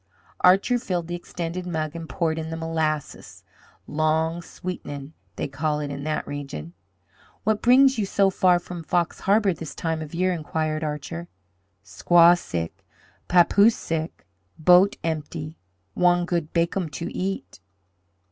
Archer filled the extended mug and poured in the molasses "long sweet'nin'" they call it in that region. "What brings you so far from Fox Harbor this time of year?" inquired Archer. "Squaw sick. Papoose sick. Bote empty. Wan' good bacum to eat."